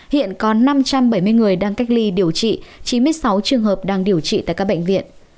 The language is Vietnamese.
hiện có năm trăm bảy mươi người đang cách ly điều trị chín mươi sáu trường hợp đang điều trị tại các bệnh viện